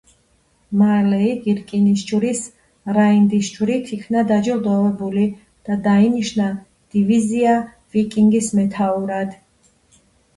მალე იგი რკინის ჯვრის „რაინდის ჯვრით“ იქნა დაჯილდოებული და დაინიშნა დივიზია „ვიკინგის“ მეთაურად.